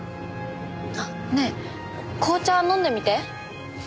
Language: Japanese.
ねえ紅茶飲んでみて。